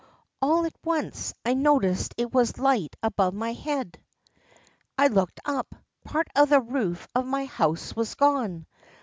All at once I noticed it was light above my head. I looked up. Part of the roof of my house was gone.